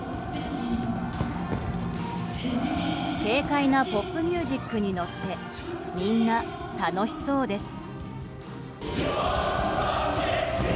軽快なポップミュージックに乗ってみんな楽しそうです。